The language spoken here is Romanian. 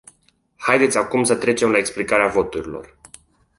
Haideți acum să trecem la explicarea voturilor.